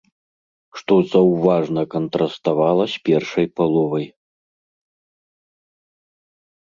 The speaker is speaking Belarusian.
Што заўважна кантраставала з першай паловай.